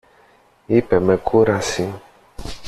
είπε με κούραση.